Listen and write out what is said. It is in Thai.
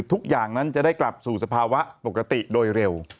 ทุกอย่างนั้นจะได้กลับสู่สภาวะปกติโดยเร็ว